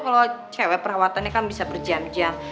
kalau cewek perawatannya kan bisa berjam jam